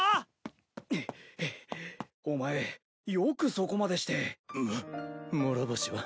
ハァハァお前よくそこまでして。も諸星は。